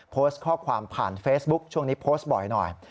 โพสต์ข้อความผ่านเฟซบุ๊คช่วงนี้โพสต์บ่อยหน่อย